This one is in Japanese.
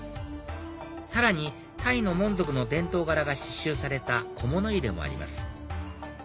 さらにタイのモン族の伝統柄が刺しゅうされた小物入れもあります